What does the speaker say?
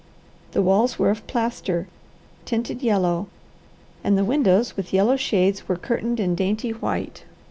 The walls were of plaster, tinted yellow, and the windows with yellow shades were curtained in dainty white.